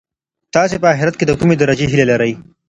تاسي په اخیرت کي د کومې درجې هیله لرئ؟